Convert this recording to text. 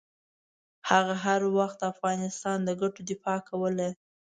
هغه هر وخت د افغانستان د ګټو دفاع کوله.